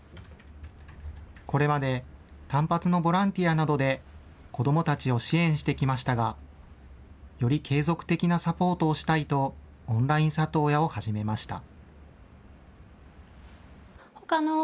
これまで単発のボランティアなどで子どもたちを支援してきましたがより継続的なサポートをしたいとオンライン里親を始めました。